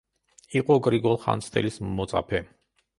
იყო გრიგოლ ხანძთელის მოწაფე.